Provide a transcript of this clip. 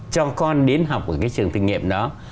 cho con đến học ở cái trường kinh nghiệm đó